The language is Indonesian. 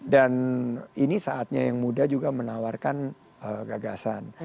dan ini saatnya yang muda juga menawarkan gagasan